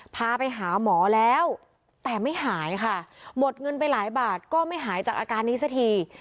พาไปหาหมอแล้วแต่ไม่หายค่ะหมดเงินไปหลายบาทก็ไม่หายจากอาการนี้สักที